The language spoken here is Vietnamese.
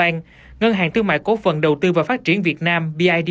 ngân hàng thương mại quốc phần đầu tư và phát triển việt nam